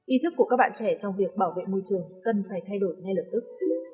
ý thức của các bạn trẻ trong việc bảo vệ môi trường cần phải thay đổi ngay lập tức